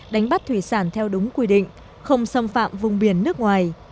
đánh bắt thủy sản theo đúng quy định không xâm phạm vùng biển nước ngoài